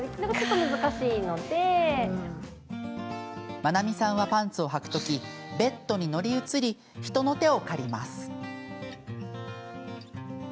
まなみさんは、パンツをはくときベッドに乗り移り人の手を借ります。